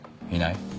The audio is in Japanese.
いない？